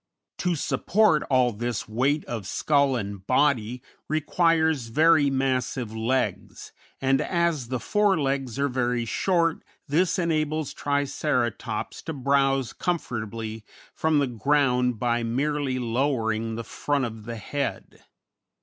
] To support all this weight of skull and body requires very massive legs, and as the fore legs are very short, this enables Triceratops to browse comfortably from the ground by merely lowering the front of the head.